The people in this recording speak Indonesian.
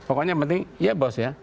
pokoknya yang penting ya bos ya